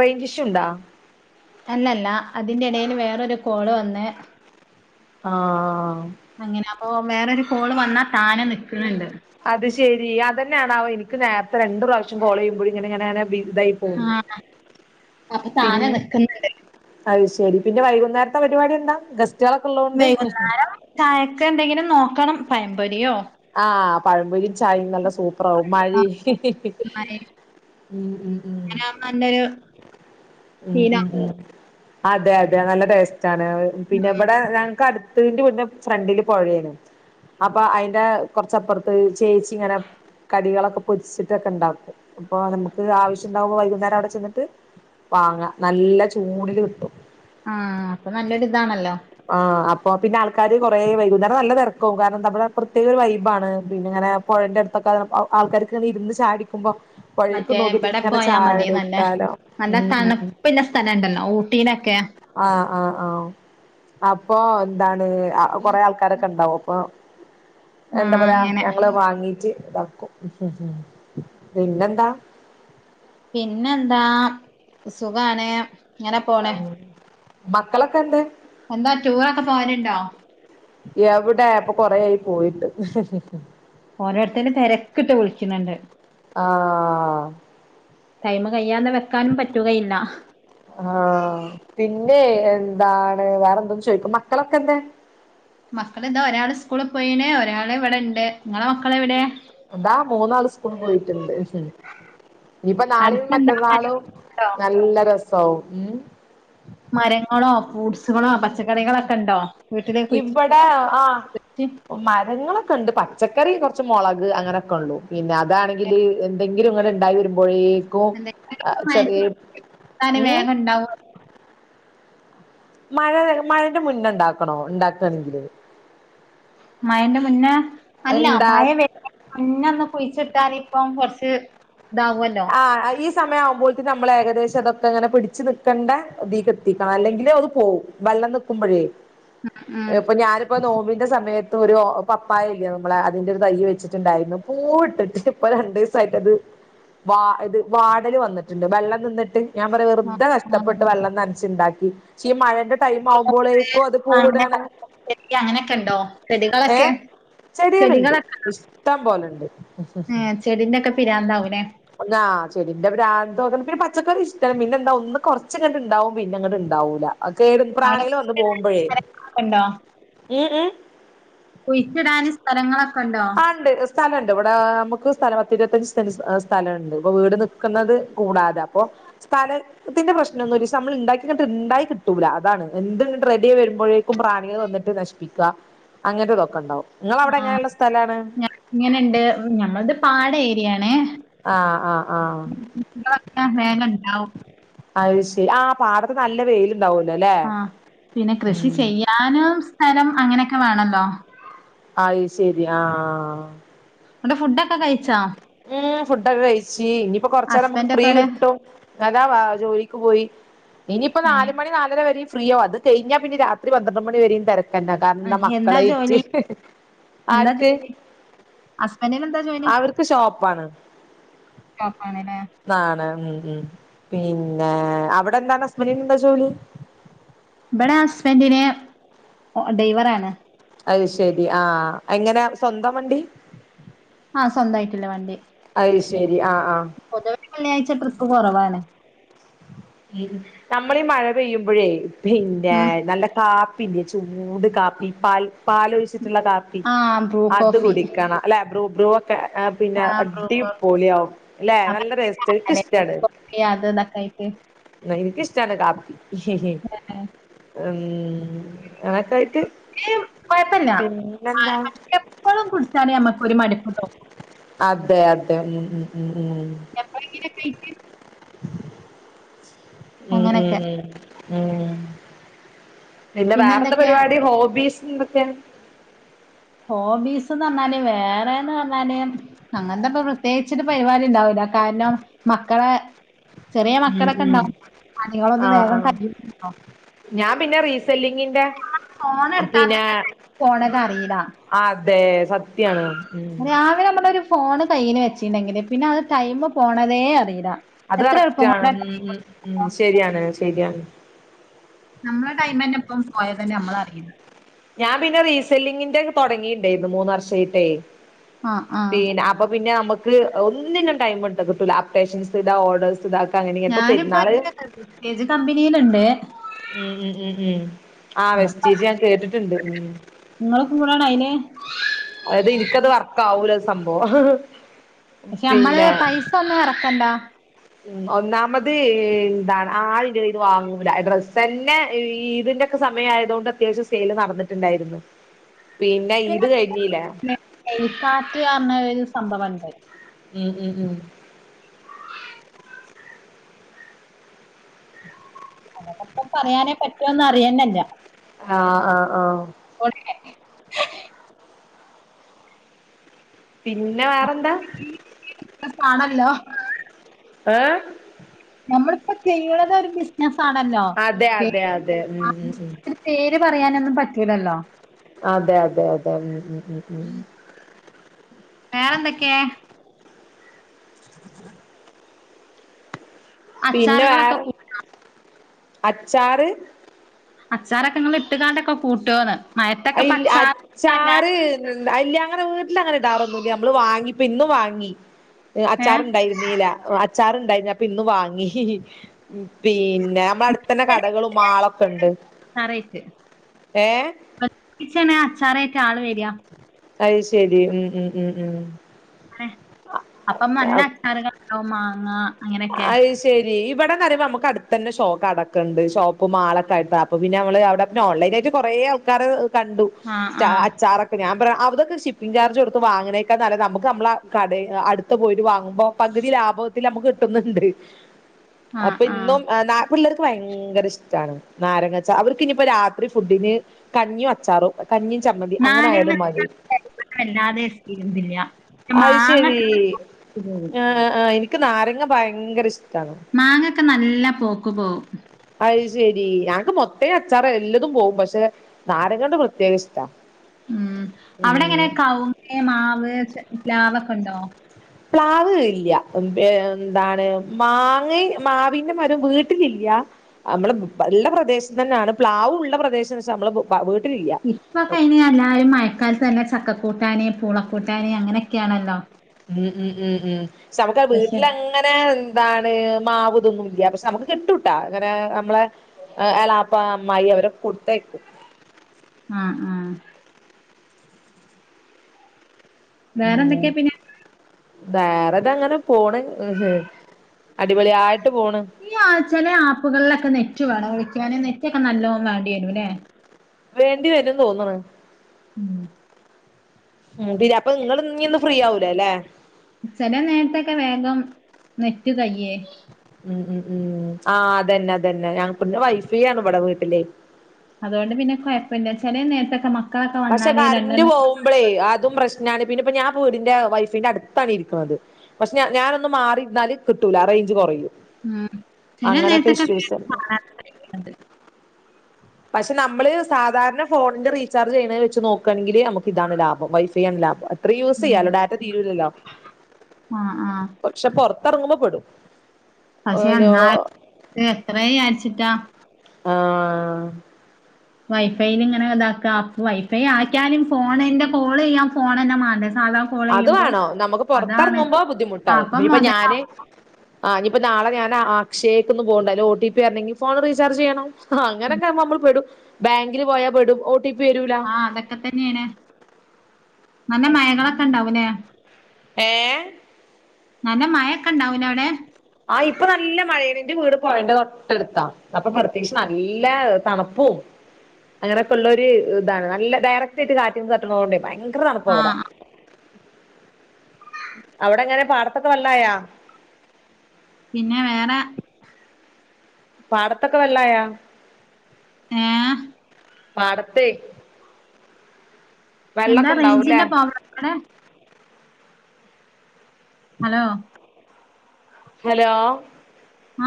റേഞ്ചിശു ഉണ്ടാ അല്ലല്ലാ അതിന്റെ എടയില് വേറൊരു കോള് വന്ന് ആഹ് അങ്ങനെ അപ്പ വേറൊരു കോള് വന്നാ താനെ നിക്കണ് ണ്ട് അത് ശെരി അതന്നെയാണാവോ എനിക്ക് നേരത്തെ രണ്ടു പ്രാവശ്യം കോള ചെയ്യുമ്പോഴ ഇങ്ങനെങ്ങെങ്ങെ ആഹ് അപ്പൊ താനെ പിന്നെ നിക്കണ് ണ്ട് അത് ശരി പിന്നെ വൈകുന്നേരത്തെ പരിപാടി എന്താ ഗസ് വൈകുന്നേരം ചായക്കെ എന്തെങ്കിലും നോക്കണം പയംപൊരിയോ ആഹ് പഴമ്പൊരിയും ചായയും നല്ല സൂപ്പ് പ്പറാവും മഴേം ഹി ഹി ഹി ഉം ഉം ഉം മയങ്ങനാവുമ്പോ നല്ലൊരു ഉ ശീലം [unintelligible] അതെ, അതെ നല്ല ടേസ്റ്റാണ്. പിന്നെ ഇവിടെ ഞങ്ങക്കടു [unintelligible] ഫ്രണ്ടില് പോഴേണു അപ്പൊ അയിന്റെ. കുറച്ചപ്പുറത്ത് ചേച്ചി ഇങ്ങനെ കടികളൊക്കെ പൊരിച്ചിട്ടൊക്കെ ഇണ്ടാക്കും അപ്പൊ നമുക്ക് ആവശ്യ ണ്ടാവുമ്പോ വൈകുന്നേരം അവിടെ ചെന്നിട്ട് വാങ്ങ നല്ല ചൂണില് കിട്ടും. ആ അപ്പൊ നല്ലൊരു ഇതാണല്ലോ. ആഹ് അപ്പൊ പിന്നെ ആൾക്കാര് കൊറെ വൈകുന്നേരം നല്ല തിരക്കവും കാരണം നമ്മുടെ പ്രത്യേക ഒരു വൈബാണ്. പിന്നെ അങ്ങനെ പുഴന്റെ അടുത്തൊക്കെ അ ആൾക്കാര്ക്കെ ഇങ്ങനെ ഇരുന്ന് ചായടിക്കുമ്പോ. പൊഴേക്ക് മറ്റേ നോക്കിട്ട് ഇബടെ ഇങ്ങനെ പോയാ മതി നല്ല ചായടിക്കാലോ നല്ല ഉ, ഉ, ഉ. തണുപ്പില്ല സ്ഥലണ്ടല്ലോ ഊട്ടിയിലൊക്കെ ആഹ്, ആഹ്, ആഹ്. അപ്പൊ എന്താണ് കൊറെ ആൾക്കാരൊക്കെ ഇണ്ടാവും അപ്പൊ. എന്താ ആഹ് പറയാ അങ്ങനെ ഞങ്ങള് വാങ്ങീട്ട് ഇതാക്കും. പിന്നെന്താ. പിന്നെന്താ സുഖാണ്. ഇങ്ങനെ. പോണ് ഉ മക്കളൊക്കെണ്ട്. എന്താ ടൂറൊക്കെ പോവല്ണ്ടോ? എവിടെ ഇപ്പൊ കൊറെയായി പോയിട്ട്. ഓരോരുത്തരും തെരക്കിട്ട് വിളിക്കുന്നുണ്ട്. ആഹ് ടൈമ് കയ്യാത വെക്കാനും പറ്റുകയില്ല. ആഹ് പിന്നെ എന്താണ് വേറെന്തോം ചോയിക്കും മക്കളൊക്കെ എന്തെ? മക്കള് എന്താ ഒരാള് സ്കൂളി പോയിന്, ഒരാള് ഇവിടെ ഇണ്ട് ഇങ്ങളെ മക്കള് എവിടെ? അതാ മൂന്നാള് സ്കൂള് പോയിട്ടുണ്ട്. ഇനിയിപ്പ നാളേം അടുത്തെന്താ മറ്റന്നാളും മരണ്ടോ നല്ല രസാവും ഉം. മരങ്ങളോ ഫ്രൂട്സുകളോ പച്ചക്കറികളൊക്കെ ഇണ്ടോ? വട്ടത പോച്ച ഇവിടെ ആഹ് [unintelligible] മരങ്ങളൊക്കെ ഉണ്ട് പച്ചക്കറി കുറച്ച് മുളക് അങ്ങനെയൊക്കെ ഉള്ളൂ പിന്നെ അതാണെങ്കി. എന്തെങ്കിലും ഇങ്ങനെ ഇണ്ടായി വരുമ്പോഴേക്കും ചെറിയ ന്തായാലും ഊ. വേഗം ഇണ്ടാവും മഴവരും മഴന്റെ മുന്നെണ്ടാക്കണോ ഉണ്ടാക്കണെങ്കില്. മഴന്റെ മുന്നേ അല്ല ഉണ്ടാ മഴ വ മുന്നേ അന്ന് കുഴിച്ച് ഇട്ടാല് ഇപ്പം കൊറച്ച് ഇതാവല്ലോ. ആ ഈസമയം ആവ്മ്പോഴ്ത്തിന് നമ്മള് ഏകദേശം ഇതൊക്കെ അങ്ങനെ പിടിച്ച് നിക്കേണ്ടതീക്ക് എത്തിക്കണം അല്ലെങ്കില് അത് പോവും. വെള്ളം നിക്കുമ്പോഴേ ഇപ്പൊ ഞാനും. ഇപ്പൊ നോമ്പിന്റെ സമയത്ത് ഒരു പപ്പായല്ലേ നമ്മളെ അതിന്റെ ഒരു തൈ വെച്ചിട്ടുണ്ടായിരുന്നു പൂ ഇട്ടിട്ട്. ഇപ്പ രണ്ടീസായിട്ടത്. വാ ഇത് വാടല് വന്നിട്ടുണ്ട് വെള്ളം നിന്നിട്ട്. ഞാൻ പറയാ വെുതെ കഷ്ടപ്പെട്ട് വെള്ളം തനച്ച്ണ്ടാക്കി. പക്ഷെ ഈ മഴന്റെ. ടൈമ് ആവുമ്പോളേക്കോ അത് അങ്ങനെ പൂവ്ട്ആണ്. അങ്ങനെയൊക്കെ ഉണ്ടോ ഏ ചെടികളൊക്കെ ചെടിയള്ണ്ട് ഇഷ്ടം പോലെണ്ട്. ആ ചെടിന്റെക്കെ പിരാന്താവല്ലേ. ആ ചെടിന്റെ പ്രാന്തോ [unintelligible] പിന്നെ പച്ചക്കറി ഇഷ്ട പിന്നെന്താ ഒന്ന് കൊറച്ചങ്ങട്ട് ഇണ്ടാവും പിന്നെ അങ്ങട്ണ്ടാവൂല. കേടും അവിടെ പ്രാണിയള് വന്ന് കുഴിച്ചിടാൻ പോകുമ്പോഴേ സ്ഥലങ്ങളൊക്കെ ഉണ്ടോ ഉ, ഉ കുഴിച്ചിടാന് സ്ഥലങ്ങളൊ ആണ്ട് സ് സ്ഥലണ്ട് ഇവിടെ നമുക്ക് സ്ഥലം പത്തി ഇരുപത്തഞ്ച് സെന്റ് സ്ഥലണ്ട് ഇപ്പൊ വീട് നിക്കുന്നത് കൂടാതെ അപ്പൊ. സ്ഥല. ഇതിന്റെ പ്രശ്നൊന്നുംല്ല ഷെ നമ്മൾ ഇണ്ടാക്കികിട്ട് ഇണ്ടായി കിട്ടൂല അതാണ് എന്ത് റെഡിയായി വരുമ്പോഴേക്കും പ്രാണികള് വന്നിട്ട് നശി അങ്ങനത്തെ ഇതൊക്കെ ഉണ്ടാവും നിങ്ങളവിടെ എങ്ങനെള്ള സ്ഥലാണ് ഇങ്ങനെുണ്ട് ഞമ്മളത് പാട ഏരിയണേ ആഹ് ആഹ് ആഹ് ഇക്ക വേഗ ണ്ടാവ അത് ശരി ആഹ് പാടത്ത് നല്ല വെയിൽ ഉണ്ടാവിലോലെ ഉം ദാനം സ്ഥലം അങ്ങനെക്കെ വേണല്ലോ ആയിശരി ആഹ് ന്നട്ട് ഫുഡ് ഉം ഫുഡൊക്കെ കഴിച്ചി ഇനിയിപ്പോ കൊറച്ച നേരം നമുക്ക് ഹസ്ബൻഡ് ഫ്രീ ഒക്കെ എവിടെ കിട്ടും നതാ വാ ജോലിക്ക് പോയി ഇനിയിപ്പോ ഏഹ് നാല മണി നാലര വരെയും ഫ്രീയാവും അത് കഴിഞ്ഞാ പിന്നെ രാത്രി പന്ത്രണ്ട് മണി വരെയും തിരക്ക് തന്ന കാരണം എൻ്റെ ഏഹ് എന്താ മക്കളെയ്റ്റ് ജോലി ആർക്ക് ഹസ്ബന്റിനെന്താ അവർക്ക് ഷോപ്പാണ് ഷോപ്പാണല്ലേ ന്നാണ് ഉം ഉം പിന്നെ അവിടെ എന്താണ് ഹസ്ബന്റിനെന്താ എന്താ ജോലി ഇവിടെ ഹസ്ബൻഡിന് ഡൈവറാണ് അത് ശെരി ആഹ് എങ്ങനെ സ്വന്തം വണ്ടി ആഹ് സ്വന്തമായിട്ടുള്ള വണ്ടി അത് ശരി ആ ആ പൊതുവെ വെള്ളിയാഴ്ച ട്രിപ്പ് കുറവാണ് ഉം നമ്മളീ മഴ പെയ്യുമ്പോഴേ പിന്നെ ഉം നല്ല കാ പില്ലേ ചൂട് കാപ്പി പാൽ പാല് ഒഴിച്ചിട്ടുള്ള കാപ്പി ആഹ് ബ്രൂ അത് കോഫി കുടിക്കണം അല്ലേ ബ്രൂ ബ്രൂക്കെ പിന്നെ ആഹ് ബ്രൂ അടി കോഫി പോളി ആവും അല്ലെ അപ്പൊ നല്ല ടേസ്റ്റ് അതെ ബ്രൂ ഇഷ്ടാണ് കോഫി അത് ദാക്കായിക്ക എനിക്ക് ഇഷ്ട്ടാണ് കാപ്പി ഉം എനക്കായിട്ട് കുഴപ്പില്ല എപ്പളും കുടിച്ചാണ് മ്മക്ക്രു മടുപ്പ് തോ അതെ അതെ ഉം ഉം എപ്പയെങ്കി ഒക്കെ ആയിട്ട് ഉം അങ്ങനൊക്കെ ഉം ഉം ഉം ഇല്ല പിന്നെ വേറെ എന്താ എന്തൊക്കെയാ പരിപാടി ഹോബീസ് എന്തൊക്കെയ ഹോബീസ്ന്ന് പറഞ്ഞാല് വേറെന്ന് പറഞ്ഞാല് അങ്ങനത്തെപ്പ പ്രത്യേകിച്ചിട്ട് പരിപാടി ഉണ്ടാവൂല്ല കാരണം മക്കളെ ചെറിയ ഉം മക്കളൊക്കെ ഉം ഉണ്ടാവും പണിളൊന്നും ആഹ് വേഗം ആഹ് കയ്യൂലല്ലോ ഞാൻ പിന്നെ റീസെല്ലിങ്ങിന്റെ ഫോൺ എടുത്താ പിന്നെ തന്നെ ഫോണൊക്കെ ആഹ് അതെ സത് അ രാവിലെ നമ്മളരു ഫോണ് കയ്യില് വെച്ചിണ്ടെങ്കില് പിന്നെ അത് ടൈമ് പോണതേ അറിയില്ല അത് എത്ര എളുപ്പം കറക്റ്റ്ണ് കൊണ്ടാ ഉം ടൈം ഉം ഉം ശരിയാണ് ശരിയാണ് നമ്മളെ ടൈമന്നെ ഇപ്പം പോയത് തന്നെ നമ്മളറിയണം ഞാൻ പിന്നെ റീസെല്ലിങ്ങിന്റെ തുടങ്ങിയിണ്ടായിരുന്നു മൂന്ന് വർഷായിട്ടേ ആഹ് ആഹ് പിന്നെ അപ്പൊ പിന്നെ നമ്മക്ക് ഒന്നിനും ടൈം എടുത്താ കിട്ടൂ അപ്റ്റേഷൻസ് ഇതാ ഓർഡേഴസ് ഇതാക്ക അങ്ങനെ ഇപ്പോ പരുന്നാള് എ കെജ് കമ്പനിയിലുണ്ട് ഉം ഉ ഉം ഉം ആ വെസ്റ്റീജൂ ഞാൻ കേട്ടിട്ടുണ്ട് ഉം നിങ്ങള് കൂടണ അയിന് അതായത് എനിക്കത് വർക്ക ആവൂല സംഭവം പിന്നെ കൊന്ന് എറക്കണ്ടാ ഉം ഒന്നാമത് എന്താണ് ആരും ന്റെയ്ത് വാങ്ങൂല ഡ്രസ് തന്നെ ഇതിന്റെ ഒക്കെ സമയ ആയതുകൊണ്ട് അത്യാവശ്യം സെയില് നടന്നിട്ടുണ്ടായിരുന്നു പിന്നെ ഈത് കഴിഞ്ഞീല്ലേ എഴിക്കാറ്റ് പറഞ്ഞ ഒരു സംഭവുണ്ട് ഉം ഉം ഉം അതൊക്കെ പ്പം പറയാനേ പറ്റുവോന്ന അറിയന്നെ ഇല്ല്യ ആഹ് ആഹ് ആഹ് ഒക്കെ പിന്നെ വേറെന്താ എ സാണല്ലോ ഏഹ് നമ്മളിപ്പ ചെയ്യണത് ഒരു ബിസിനസ് ആണല്ലോ അതെ അതെ അതെ ഉം ഉം ഉം [inaudible] പേര് പറയാനൊന്നും പറ്റൂലല്ലോ അതെ അതെ അതെ ഉം ഉം ഉം ഉം വേറെന്തൊക്കെ പിന്നെ അച്ചാറുകളൊക്കെ വേറെ കൂ അച്ചാറ് അച്ചാറോക്കെങ്ങൾ ഇട്ടുകാണ്ടൊക്കെ കൂട്ടുവോന്ന് അയ്ഇൽ അച്ചാറ് അല്ല അങ്ങനെ വീട്ടില് അങ്ങനെ ഇടാറൊന്നൂ ഇല്ല്യ നമ്മള് വാങ്ങി ഇപ്പൊ ഇന്ന് വാങ്ങി ഏഹ് അച്ചാറുണ്ടായിരുന്നീല്ല അച്ചാറ് ഇണ്ടായിപ്പ ഇന്ന് വാങ്ങി പിന്നെ നമ്മള അടുത്തന്നെ കടകളും മാളൊക്കെ ഉണ്ട് അച്ചാറേറ്റ് ഏഹ് ച്ചേണ അച്ചാറയിട്ട് ആള് വരിക അത് ശരി ഉം ഉം ഉം ഉം ങ്ങനെ അപ്പം വന്ന അച്ചാറുകൾ ഉണ്ടാകും മാങ്ങ അങ്ങനെയൊക്കെ. ആയിഷ് ശരി ഇവിടം വരെ നമക്ക് അടു തന്നെ ഷോക്ക് കടക്കണ്ട് ഷോപ്പ് മാളൊക്കെ ആയിട്ടപ്പ പിന്നെ നമ്മള് അവിടെ പി ഓൺലൈൻ ആയിട്ട് കൊറേ ആൾക്കാര് കണ്ടു ആഹ് സ്റ്റ ആഹ് അച്ചാറൊ ഞാൻ പറയാ അതൊക്കെഷിപ്പിങ് ചാർജ്ടുത്ത് വാങ്ങണേക്കാ നല്ലത് നമുക്ക് നമ്മളെ കടെ അടുത്ത് പോയിട്ട് വാങ്ങുമ്പോ പകുതി ലാഭത്തിൽ നമുക്ക് കിട്ടുന്നുണ്ട് ആഹ് അപ്പൊ ആഹ് ഇന്നും പിള്ളേർക്ക് ഭയങ്കര ഇഷ്ടമാണ് നാരങ്ങച്ച അവർക്ക ഇനിയിപ്പോ രാത്രി ഫുഡിന് കഞ്ഞിയും അച്ചാറും കഞ്ഞിയും ചമ്മതി അങ്ങനെ നാരങ്ങ ആയടും മതി അച്ചാറ് വല്ലാതെ ഇതില്ല. അത് മാങ്ങ ശരി ഒക്കെ പോകും. ആഹ് ആഹ് എനി നിക്ക് നാരങ്ങ ഭയങ്കര ഇഷ്ട്ടണ് മാങ്ങൊക്കെ നല്ല പോക്ക് പോവും അത്ത് ശരി ഞങ്ങക്ക് മൊത്തേ അച്ചാറ എല്ലതും പോവും പക്ഷെ നാരങ്ങണ്ട് പ്രത്യേക ഇഷ്ട്ട ഉം അവിടെങ്ങനെ കൗങ് മാവ് ച പ്ലാവ് ഒക്കെ ഉണ്ടോ പ്ലാവ് ഇല്ല എന്താണ് മാങ്ങ മാവിൻ്റെ മരം വീട്ടിലില്ല്യ നമ്മള് ഉള്ള പ്രദേശം തന്നെയാണ് പ്ലാവും ഉള്ള പ്രദേശം പക്ഷെ നമ്മള് വീട്ടിലില്ല ഇപ്പൊ കഴിഞ്ഞ എല്ലാവരും മയക്കാല തന്നെ ചക്കക്കൂട്ടാന് പൂളക്കൂട്ടാനി അങ്ങനെയൊക്കെയാണല്ലോ ഉം ഉം ഉം ഉം ക്ഷേ നമുക്ക്ത് സ്പെഷ്യൽ വീട്ടില അങ്ങനെ എന്താണ് മാവ്തൊന്നും ഇല്ല പക്ഷെ നമുക്ക് കിട്ടുട്ടാ അങ്ങനെ നമ്മളെ അലാപ്പ അമ്മായി അവരെ കൊടുത്തയ്ക്കും ആഹ് ആഹ് വേറെ എന്തൊക്കെയാ ഊം പിന്നെ വേറെതങ്ങെനെ പോണ് അടിപൊള്യായ്ട്ട് പോണ് ഈ ആ ചെലേ ആപ്പ്കൾലൊക്കെ നെറ്റ് വേണാേ വിളിയ്ക്കാന് നെറ്റാെക്കെ നല്ലോം മാണ്ട്യേരും ലേ വേണ്ടി വെരും തോന്ന്ണ് ഉം ഉം പിന്നെ അപ്പ ങ്ങെള് ഞ്ഞ്ന്ന് ഫ്രീയാവൂലലേ ചെല നേര്ത്തൊക്കെ വേഗം നെറ്റ് കയ്യേ ഉം ഉം ഊം ആഹ് അതന്നെ അതന്നെ ഞങ്ങ്ക്കും [unintelligible] വൈഫെയ്യാണ് വെടെ വീട്ട്ലെ അതുകൊണ്ട് പിന്നെ കൊയപ്പല്ല ചെലേ നേര്ത്താെക്കെ മക്കളൊക്കെ വന്നാല് രണ്ടെണ്ണം മ്പളേ അതും പ്രശ്നാണ് പിന്നെപ്പ ഞാൻ വീട്ന്റെ വൈഫെയ്ന്റെ അട്ത്താണ് ഇരിക്ക്ണത് പക്ഷെ ഞ ഞാനൊന്ന് മാറിര്ന്നാല് കിട്ടൂലാ റെയ്ഞ്ച് കൊറയും ഉം ചെലേ നേര്ത്തൊക്കെ [unintelligible] ണ്ട് പക്ഷെ നമ്മള് സാധാര്ണ ഫോൺന്റെ റീചാർജ് ചെയ്യ്ണേ വെച്ച് നോക്കാണ്ങ്കില് അമ്മക്കിതാണ് ലാഭം വൈഫൈ ആണ് ലാഭം റീയൂസ്യ്യാലോ ഉം ഡാറ്റ തീരൂലല്ലോ ആഹ് ആഹ് പക്ഷെ പൊർത്തെർങ്ങുമ്പം പെടും പക്ഷെ ഓലോ എന്നാ തേ എത്രേയാര്ച്ചിട്ടാ ആഹ് വൈഫൈല്ങ്ങെനെ താക്കാ വൈഫൈ ആക്ക്യാലും ഫോണ്ന്റെ കോളെയ്യാം ഫോണെന്നെ മാണ്ടേ സാധാ കോൾ അത് ചെയ്യുമ്പോ വാണം നമുക്ക് അതാണ് പൊർത്തെർങ്ങുമ്പോ ബുദ്ധിമുട്ടാവും അപ്പൊ ബി ഇപ്പം ഞാന് മുതലാവും ആഹ് ഇഞ്ഞ്പ്പം നാളെ ഞാനാ ആക്ഷയേക്കാെന്ന് പോവ്ണ്ട് അയ്ല് ഒ ടി പി വെര്ണെങ്കി ഫോണ് റീചാർജെയ്യണം ആഹ് അങ്ങനെക്കാവുമ്പം അമ്മെൾ പെടും ബാങ്കില് പോയാ പെടും ഓ ടി പി വെരൂലാ ആഹ് അതൊക്കെ തന്നേണ് നല്ല മയകളൊക്കെണ്ടാവുലേ ഏഹ് നല്ല മയൊക്കെണ്ടാവുലവ്ടെ ആഹ് ഇപ്പം നല്ല മഴേനി ഇന്റെ വീട് പോഴെന്റെ തൊട്ടെട്ത്താ അപ്പം പ്രത്യേകിച്ച് നല്ല തണുപ്പും അങ്ങനെയൊക്കെള്ളാെര് ഇതാണ് നല്ല ഡയറക്ട്ടായ്ട്ട് കാറ്റ്ന്ന് തട്ട്ണാേണ്ടെ ഭയ്ങ്കര തണ്പ്പാവെടെ ആഹ് അവ്ടെ എങ്ങെനെ പാടത്തൊക്കെ വെള്ളായാ പിന്നെ വേറെ പാടത്തൊക്കെ വെള്ളായാ ഏഹ് പാടത്തേ എന്താ വെള്ളൊക്കെ ഉണ്ടാവൂലേ റെയ്ഞ്ചിന്റെ പ്രോബ്ളണ്ടവ്ടെ ഹലോ ഹെലോ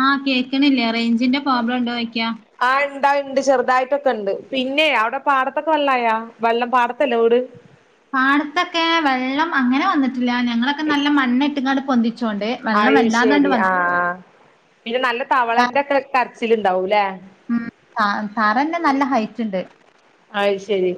ആഹ് കേക്ക്ണില്ലേ റെയ്ഞ്ചിന്റെ പ്രോബ്ലണ്ടോയ്ക്കാ ആഹ് ഇണ്ടാ ഇണ്ട് ചെർതായ്ട്ടൊക്കെണ്ട് പിന്നേ അവ്ടെ പാടത്തൊക്കെ വെള്ളായാ വെള്ളം പാടത്തല്ലെ വീട് പാടത്തൊക്കെ വെള്ളം അങ്ങെനെ വന്നിട്ടില്ലാ ഞങ്ങളൊക്കെ നല്ല മണ്ണ്ട്ട്ങ്ങാണ്ട് പൊന്തിച്ചാേണ്ട് അയ് ശെരി ആഹ് പിന്നെ നല്ല തവളന്റെക്കെ കരച്ചില്ണ്ടാവുംലേ ഉം താ തറന്നെ നല്ല ഹൈറ്റ്ണ്ട് അത്ശരി